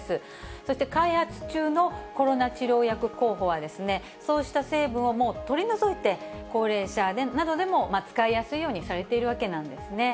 そして、開発中のコロナ治療薬候補は、そうした成分をもう取り除いて、高齢者などでも使いやすいようにされているわけなんですね。